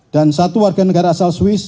dan satu warga negara asal swiss